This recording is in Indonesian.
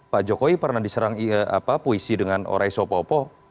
pak jokowi pernah diserang puisi dengan oresopopo